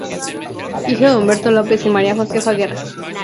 Hijo de Humberto López y María Josefa Guerra.